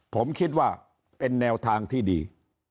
ผมคิดว่าเป็นแนวทางที่ดี